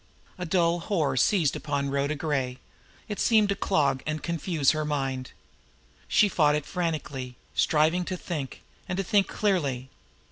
A dull horror seized upon Rhoda Gray. It seemed to clog and confuse her mind. She fought it frantically, striving to think, and to think clearly.